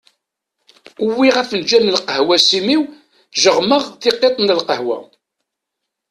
Uwiɣ afenǧal n lqahwa s imi-w, jeɣmeɣ tiqqit n lqahwa.